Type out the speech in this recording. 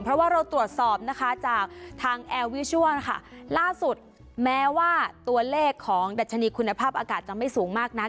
เพราะว่าเราตรวจสอบนะคะจากทางแอร์วิชัวร์นะคะล่าสุดแม้ว่าตัวเลขของดัชนีคุณภาพอากาศจะไม่สูงมากนัก